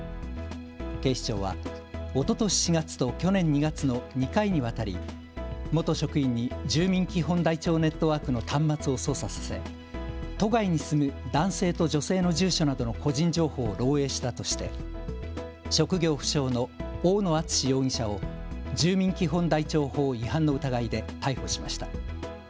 警視庁はおととし４月と去年２月の２回にわたり元職員に住民基本台帳ネットワークの端末を操作させ都外に住む男性と女性の住所などの個人情報を漏えいしたとして職業不詳の大野淳志容疑者を住民基本台帳法違反の疑いで逮捕しました。